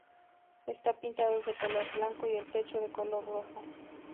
Está pintado de color blanco y el techo de color rojo.